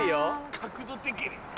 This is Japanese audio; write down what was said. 角度的に。